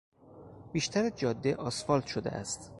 بیشتر جاده آسفالت شده است.